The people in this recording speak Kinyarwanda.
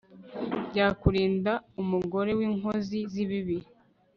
Byakurinda umugore winkozi zibibi